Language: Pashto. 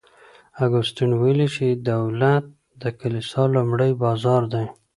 اګوستین ویلي چي دولت د کلیسا لومړی بازو دی.